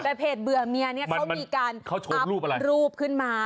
แต่เพจเบื่อเมียเนี่ยเขามีการอัพรูปขึ้นมา